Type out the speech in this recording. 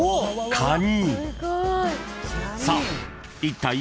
カニ。